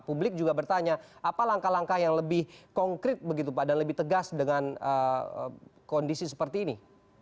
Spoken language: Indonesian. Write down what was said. publik juga bertanya apa langkah langkah yang lebih konkret begitu pak dan lebih tegas dengan kondisi seperti ini